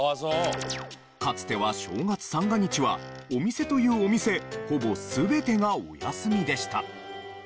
かつては正月三が日はお店というお店ほぼ全てがお休みでした。